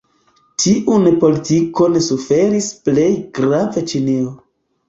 Tiun politikon suferis plej grave Ĉinio.